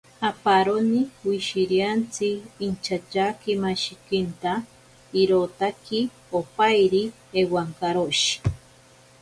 Aparoni wishiriantsi inchatyakimashikinta irotaki opairi ewankaroshi.